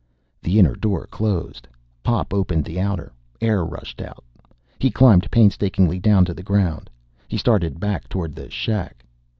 The inner door closed. Pop opened the outer. Air rushed out. He climbed painstakingly down to the ground. He started back toward the shack.